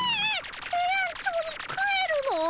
ヘイアンチョウに帰るの？